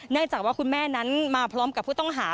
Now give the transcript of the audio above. จากว่าคุณแม่นั้นมาพร้อมกับผู้ต้องหา